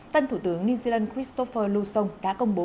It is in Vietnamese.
tân thủ tướng new zealand christopher lusong đã công bố